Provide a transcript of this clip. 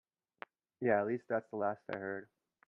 Yeah, at least that's the last I heard.